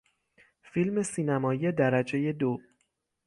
فیلم سینمایی درجهی دو